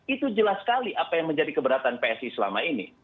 itu jelas sekali apa yang menjadi keberatan psi selama ini